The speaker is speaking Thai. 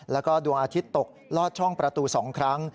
แล้วก็ดวงอาทิตย์ตกลอดช่องประตู๒ครั้ง